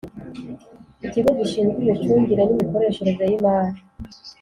ikigo gishinzwe Imicungire n Imikoreshereze y imari